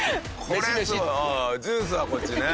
小峠：ジュースは、こっちね。